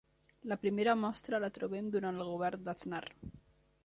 La primera mostra la trobem durant el govern d'Aznar.